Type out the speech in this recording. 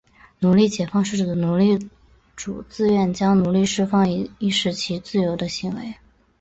奴隶解放是指奴隶主自愿将奴隶释放以使其自由的行为。